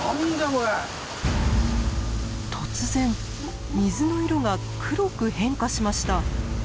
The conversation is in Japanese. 突然水の色が黒く変化しました。